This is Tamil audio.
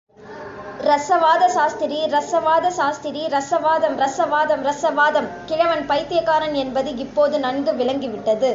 ர்ரசவாத சாஸ்திரி ர்ரசவாத சாஸ்திரி, ர்ரசவாதம் ர்ரசவாதம், ர்ரசவாதம். கிழவன் பைத்தியக்காரன் என்பது இப்போது நன்கு விளங்கிவிட்டது.